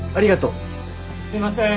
・すいません。